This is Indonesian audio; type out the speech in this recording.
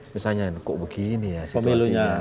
misalnya kok begini ya situasinya